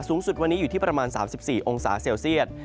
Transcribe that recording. สูงสุดวันนี้อยู่ที่ประมาณ๓๔องศาเซลเซียต